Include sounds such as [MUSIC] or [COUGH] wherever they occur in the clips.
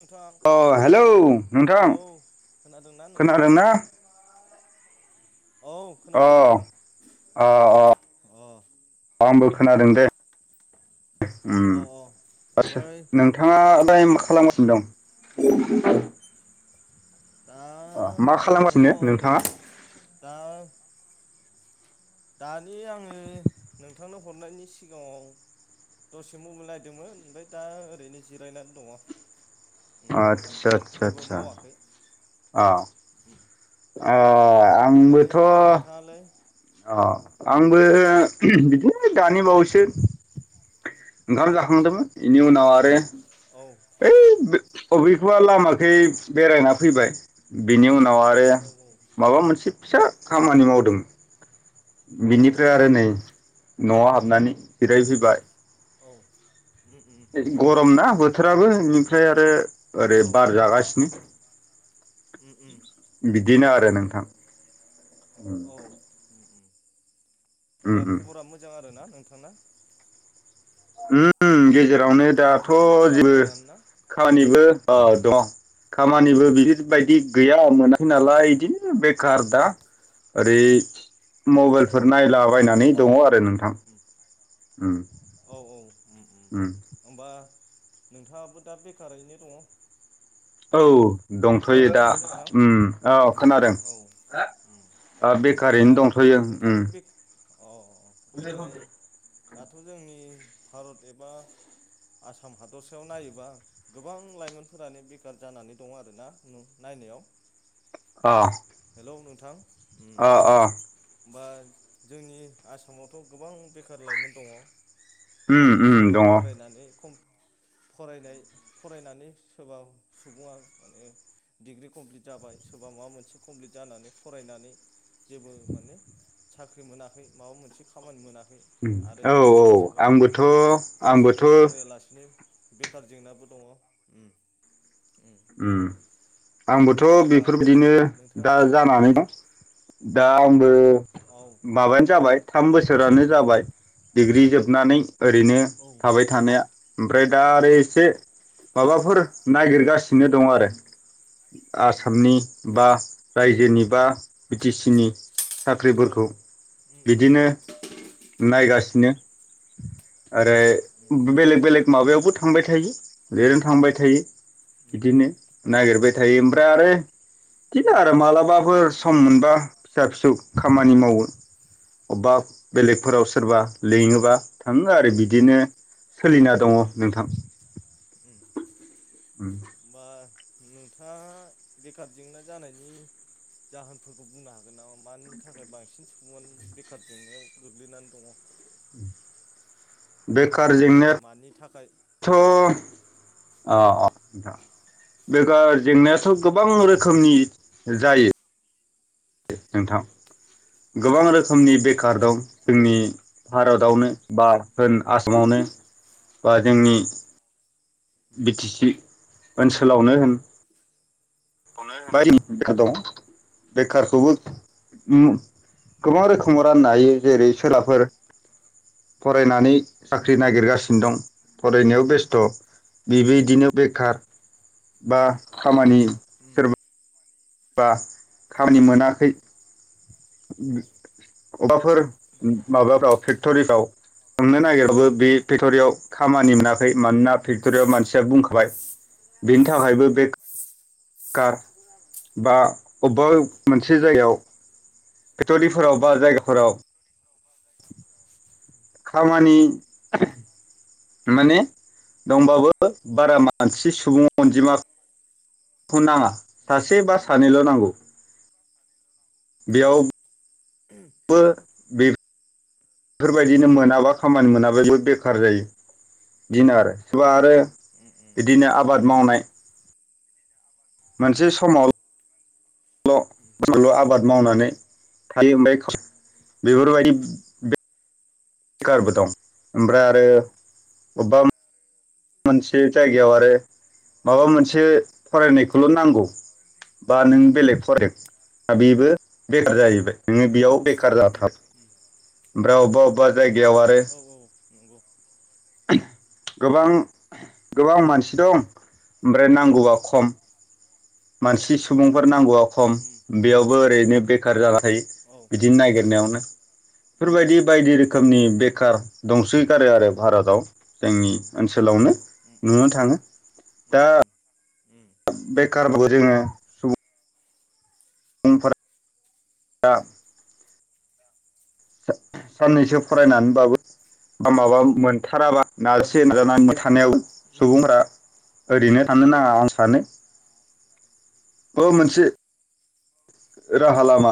नोंथां अ हेलौ नोंथां औ खोनादोंना नोंथां खोनादों ना? औ अ खोनादों नोंथां अ अ अ औ आंबो खोनादों दे उम औ आसो ओमफ्राय नोंथाङा दायम उम खालामगासिनो उम दं? दा अ मा दङ खालामगासिनो नोंथाङा? ओरैनो दा दानि आङो नोंथांनो हरनायनि सिगाङाव दसे मबाइल नायदोंमोन ओमफाय दा ओरैनो जिरायनानै दङ। उम नोंथां आतसा आतसा जेबो आतसा मावाखै आ ओमफाय नोंथाङालाय? अ उम आंबो बिदिनो दानि बावैसो ओंखार जाखांदोंमोन बेनि उनाव आरो औ ओइ बो अबिफा लामाखै बेरायना फैबाय बिनि उन आव आरो औ माबा मोनसे फिसा खामानि मावदों। औ बिनिफ्राय आरो नै न'आव हाबनानै जिरायफैबाय। औ उम उम ने गरम ना बोथोराबो इनिफ्राय आरो ओरै औ बार जागासिनो। उम उम बिदिनो आरो नोंथां उम औ उम होमबा उम ख'बरा मोजां आरोना नोंथांना? उम गेजेरावनो दाथ' नोंथांनि खबरा जेबो मोजाङानो ना औ खानिबो अ दङ खामानिबो बिफोरबायदि गैया मोनाखै नालाय इदिनो बेकार दा ओरै मबाइलफोर औ नायलाबायनानै दङ आरो नोंथां उम औ औ उम होमबा नोंथाङाबो दा बेखारैनो दङ? औ हेलौ दंथ'यो दा नोंथां उम औ खोनादों औ हा आ ओमफ्राय दा बेखारैनो दंथ'यो उम नोंथाङाबो बे अ ओमफ्राय [UNINTELLIGIBLE] दाथ' जोंनि भारत एबा आसाम हादरसायाव नायोबा गोबां लाइमोनफोरानो बेकार जानानै दङ आरो आरोना नों नायनायाव। अ। हेलौ नोंथां। अ अ। बा जोंनि आसामावथ' गोबां बेखार लाइमोन दङ'। उम माने उम सोरबा दङ फरायनानै खम फरायनाय फरायनानै सोरबा सुबुङा माने डिग्रि कमप्लिट जाबाय सोरबा माबा मोनसे कमप्लिट जानानै फरायनानै जेबो माने साख्रि मोनाखै माबा मोनसे खामानि मोनाखै आरो औ औ सोरबा सोरबा आंबोथ' फरायसालियाव आंबोथ' फरायालासिनो बेखार जेंनाबो दङ'। उम ओम आंबोथ' होमबा बेफोरबायदिनो दा नोंथाङा जानानै उम दा आं बो औ माबायानो जाबाय थाम बोसोरानो जाबाय डिग्रि जोबनानै ओरैनो औ थाबाय थानाया ओमफ्राय दा आरो एसे औ माबाफोर नागिरगासिनो नो दं आरो आसामनि बा उम रायजोनि बा बि टि सि नि औ साख्रिफोरखौ उम उम बिदिनो औ औ नायगासिनो ओरै बेलेग बेलेग माबायावबो थांबाय थायो लिरनो थांबाय थायो। उम बिदिनो नागिरबाय थायो ओमफ्राय आरो बिदिनो उम आरो मालाबाफोर सम मोनबा फिसा फिसौ खामानि मावो। अब्बा बेलेगफोराव सोरबा लिङोबा थाङो आरो बिदिनो। सोलिना उम दङ' नोंथां। उम होमबा नोंथाङा बेखार जेंना जानायनि जाहोनफोरखौ बुंनो हागोन नामा मानि थाखाय बांसिन सुबुंआनो बेखार जेंनायाव गोग्लैनानै दङ'? उ बेखार मानि थाखाय जेंनायथ' अ अ। बेकार जेंनायाथ' गोबां रोखोमनि जायो। नोंथां गोबां रोखोमनि बेखार उम औ दं जोंनि भारतावनो बा होन आसामावनो बा जोंनि बि टि सि ओनसोलावनो होन खौनो [UNINTELLIGIBLE] होन बेखार दङ' बेखारखौबो गोबां रोखोमाव राननो हायो जेरै सोलाफोर फरायनानै साख्रि नागिरगासिनो दं फरायनायाव बेस्थ'। बेबायदिनो बेखार बा खामानि उम सोरबा बा खामानि मोनाखै। अब्बाफोर माबाफ्राव फेक्ट'रिफ्राव हमनो नागिरबाबो बे फेक्ट'रियाव खामानि मोनाखै मानोना फेक्ट'रियाव मानसिया बुंखाबाय बेनि थाखायबो बे कार बा अबेबा मोनसे जायगायाव फेक्ट'रिफोराव बा जायगाफोराव खामानि माने दंबाबो बारा मानसि सुबुं औ अनजिमा फखौ नाङा सासे बा सानैल' नांगौ औ बेयावबो बो‌ बेफो फोरबायदिनो मोनाबा खामानि मोनाबा बेयाव बेखार जायो दिनो आरो। सोरबा औ आरो उम उम बिदिनो उम आबाद मावनाय मोनसे औ समाव उम ल' आबाद मावनानै थायो ओमफ्राय बेफोरबायदि बे खारबो दं ओमफ्राय आरो अबेबा म मोनसे जायगायाव आरो माबा मोनसे फरायनायखौल' नांगौ। बा नों बेलेग फराय दा बेबो बेखार जाहैबाय नोङो बेयाव बेखार जाथा ओमफ्राय अबबा-अबबा जायगायाव आरो उम औ औ नंगौ उम गोबां गोबां मानसि दं ओमफ्राय नांगौबा खम। औ उम मानसि उम औ उम औ उम सुबुंफोर नांगौआ खम उम उम बेयावबो ओरैनो बेखार जाना थायो। औ औ बिदिनो नागिरनायावनो बेफोरबायदि बायदि रोखोमनि बेखार दंसो गारो आरो भारताव। जोंनि ओनसो आवनो नुनो थाङो। दा बेखारखौ‌ जोङो सुफुंनांगौब्ला दा। साननैसो फरायनानै बाबो बा माबा मोनथाराबा नाजासे नाजानानै नाजाथाबनायावबो सुबुंफ्रा ओरैनो थानो नाङा आं सानो। माबा मोनसे राहा लामा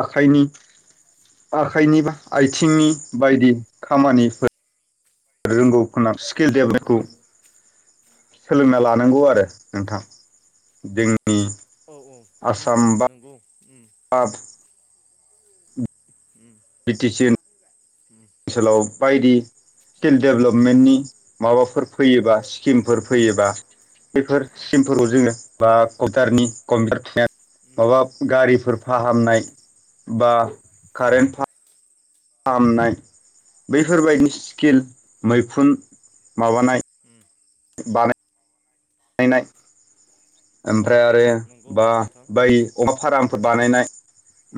आखाइनि बा आथिंनि बायदि खामानिफोर रोंगौ खोमा स्किल डेभेलपखौ सोलोंना लानांगौ आरो नोंथां जों। औ औ उम उम नोंगौ उम। बा उम बि टि सि होन उम ओनसोलाव बायदि स्किल औ डेभेलपमेन्टनि माबाफोर फैयोबा स्किमफोर फैयोबा बेफोर सिखिमफोरखौ जोङो बा कम्पिउटारनि कम्पिउटार थुनाय उम माबा गारिफोर फाहामनाय बा कारेन्ट फाह फहामनाय उम बैफोरबायदि स्किल मैखुन माबानाय उम बानाय नायनाय औ ओमफ्राय आरो नंगौ बा नोंथां बै अमा फाराम फोर बानायनाय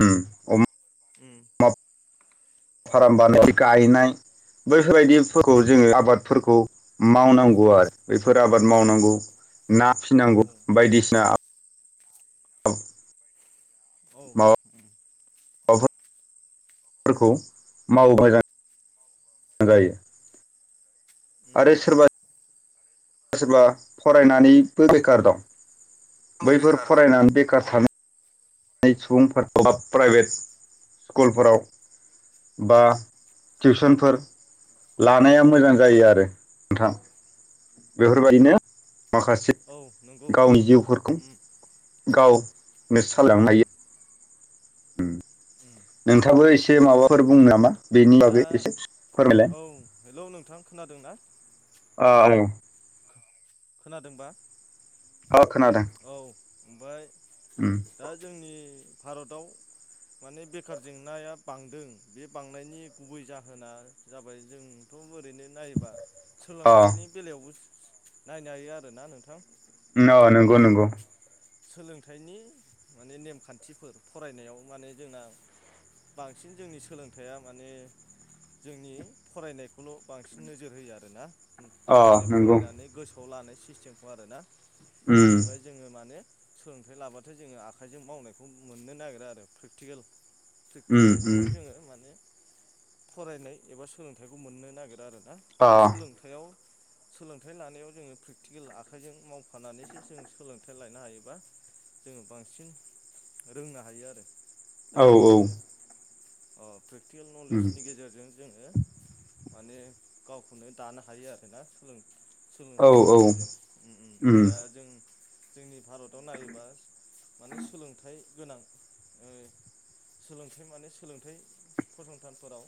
उम अम उम मा फाराम बानायनायनि गायनाय बैफोरबायदिफोरखौ जोङो आबादफोरखौ मावनांगौ आरो बैफोर आबाद मावनांगौ। ना औ फिसिनांगौ। बायदिसिना आबाद औ। औ माव उम आबादफो रखौ मावोबा जायो। आरो सोरबा सोरबा फरायनानैबो बेखार दं उम बैफोर बेखार दं फरायनानै बेखार था नाय सुबुंफोर बा प्राइभेट स्कुलफोराव बा टिउसनफोर लानाया मोजां जायो आरो नोंथां। बेफोरबायदिनो माखासे औ नंगौ गावनि नोंथां जिउफोर खौ उम गावनो सालायलांनो हायो। उम नोंथाङाबो एसे ओमफ्राय माबाफोर बुनो नामा? बेनि दा बागै एसे फोरमायलाय। हेलौ औ नोंथां खोनादों ना? आ ओं खोनादोंबा? अ खोनादों। ओमफाय उम दा जोंनि भारतआव माने बेखार जेंनाया बांदों बे बांनायनि गुबै जाहोना जाबाय जोंथ' ओरैनो नायोबा अ सोलोंथाइनि बेलायाव बोस नायनो हायो आरो ना नोंथां। न नंगौ माने नंगौ। सोलोंथाइनि माने नेमखान्थिफोर फरायनायाव माने जोंना बांसिन जोंनि सोलोंथाइया माने जोंनि फरायनायखौल' बांसिन नोजोर होयो आरोना अ माने नंगौ फरायनानै गोसोआव लानाय सिस्टेमखौ आरो ना उम ओमफाय जोङो मानो सोलोंथाइ लाबथाय जोङो आखाइजों मावनायखौ मोननो नागिरा आरो प्रेकटिकेल उम उम प्रेक्टिकेलजों जोङो माने फरायनाय एबा सोलोंथाइखौ मोननो नागिर आरो ना अ दा सोलोंथाइयाव सोलोंथाइ लानायाव जोङो प्रेकटिकेल आखाइजों मावफानानैसो जों सोलोंथाइ लायानो हायोबा जोङो बांसिन रोंनो हायो आरो दा औ औ जोङो प्रेक्टिकेल अ उम नलेजनि गेजेरजों जोङो माने गावखौनो दानो हायो आरो ना सोलों सोलों औ थायनि औ गेजेरजों उम दा जों जोंनि भारताव नायोबा माने सोलोंथाइ गोनां ओ सोलोंथाइ माने सोलोंथाइ फसंथानफोराव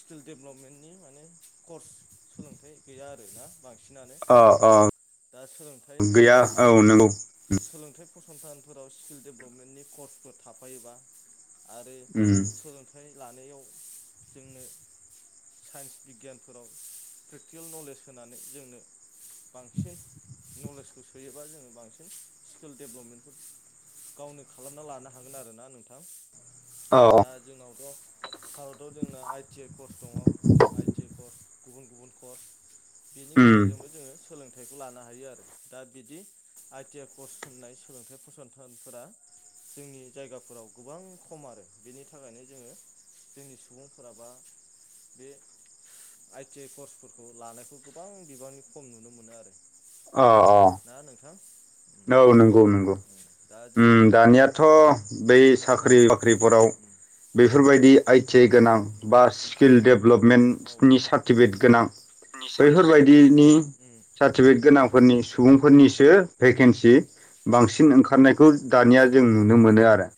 स्किल डेब्लबपमेन्टनि माने कर्स सोलोंथाइ गैया आरो ना बांसिनानो अ अ दा सोलोंथाइ गैया औ नंगौ उम सोलोंथाइ फसंथानफोराव स्किल डेब्लबपमेन्टनि कर्सफोर थाफायोबा आरो उम सोलोंथाइ लानायाव जोंनो साइन्स बिगियानफोराव प्रेक्टिकेल नलेज होनानै जोंनो बांसिन नलेजखौ सोयोबा जोङो बांसिन स्किल डेब्लबपमेन्टखौ गावनो खालामना लानो हागोन आरो ना नोंथां। अ दा जोंनावथ' भारतआव जोंना आइटि आइ कर्स दङ आइटि आइ कर्स गुबुन गुबुन कर्स बेनि उम गेजेरजोंबो जोङो सोलोंथाइखौ लानो हायो आरो दा बिदि आइ टि आइ कर्स होननाय सोलोंथाइ फसंथानफोरा जोंनि जायगाफोराव गोबां खम आरो बेनि थाखायनो जोङो जोंनि सुबुंफोराबा बे आइ टि आइ कर्सफोरखौ लानायखौ गोबां बिबांनि खम नुनो मोनो आरो अ अ ना नोंथां। उम औ नंगौ नंगौ। उम दा उम जोङो दानियाथ' उम बै सोलोंथाइनि साख्रि सायाव बाख्रिफोराव उम बेफोरबायदि आइ थि गोनां उम बा स्किल औ डेब्लबलपमेन्टनि सार्टिफिकेट गोनां नि सार्टिफिकेट बैफोरबायदिनि उम सार्टिफिकेट गोनांफोरनि सुबुंफोरनिसो भेकेन्सि बांसिन ओंखारनायखौ औ दानिया जों नुनो मोनो आरो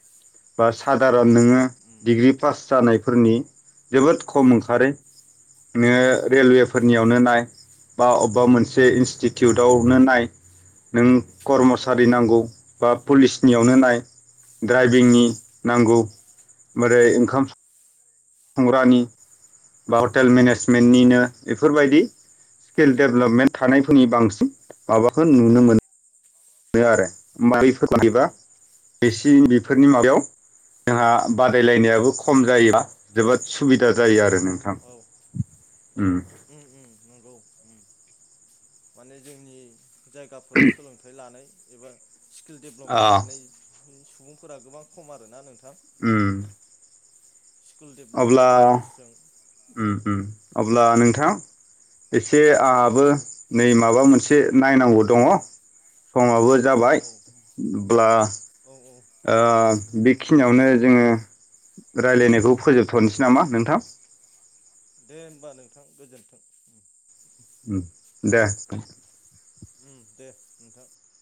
बा सादारन औ नोङो उम डिग्रि पास जानाय फोरनि जोबोद खम ओंखारो नो रेलवे उम फोरनियावनो नाय बा अब्बा मोनसे इन्स्टिटिउटआवनो नाय नों औ कर्मसारि नांगौ बा पुलिसनियावनो नाय ड्राइभिंनि उम नांगौ‌। मोरै ओंखाम खंग्रानि बा हटेल मेनेजमेन्टनिनो बेफोरबायदि स्किल डेभेलपमेन्ट थानायफोरनि बांसिन माबाखो नुनो मोनो मोनो आरो मैफोर उम [INAUDIBLE] बेफोरनि माबायाव जोंहा बादायलायनायाबो खम जाय [INAUDIBLE] जोबोद सुबिदा जायो आरो नोंथां औ उम उम उम [UNINTELLIGIBLE] उम माने जोंनि जायगाफोराव सोलोंथाइ लानाय एबा स्किल आ डेभलपमेन्ट लानाय सुबुंफोरा गोबां खम आरोना नोंथां उम स्किल अब्ला डेभलपमेन्टनि कर्सजों उम उम अब्ला नोंथां एसे आंहाबो औ नै माबा मोन से नायनांगौ दङ समाबो जाबाय औ हो [UNINTELLIGIBLE] ब्ला औ औ ओ बेखिनियावनो जोङो रायलायनायखौ फोजोबथ'नोसै नामा नोंथां दे होनोमबा नोंथां गोजोन्थों दे उम दे नोंथां